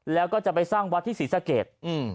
แล้วก็จะไปสร้างวัดที่ศรีสะเกด